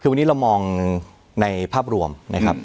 คือวันนี้เรามองในภาพรวมนะครับ